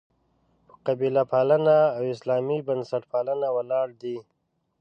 په «قبیله پالنه» او «اسلامي بنسټپالنه» ولاړ دي.